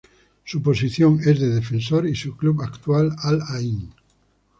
Su posición es de defensor y su club actual Al-Ain.